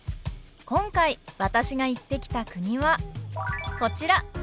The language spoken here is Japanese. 今回私が行ってきた国はこちら。